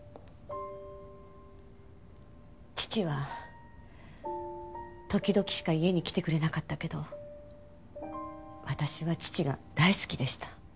父は時々しか家に来てくれなかったけど私は父が大好きでした。